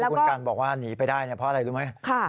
คุณกันบอกว่าหนีไปได้เพราะอะไรรู้ไหม